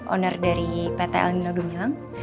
owner dari pt elmina gemilang